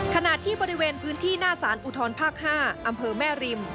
ขณะที่บริเวณพื้นที่หน้าสารอุทธรภาค๕อำเภอแม่ริม